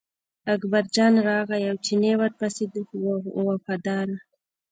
اکبرجان راغی او چینی ورپسې و وفاداره.